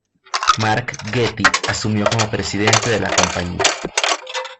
Mark Getty asumió como presidente de la compañía.